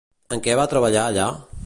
En què va treballar allà?